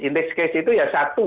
index case itu ya satu